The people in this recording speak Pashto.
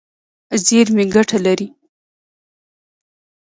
زیرمې ګټه لري.